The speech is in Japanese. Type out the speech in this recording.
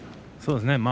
そうですね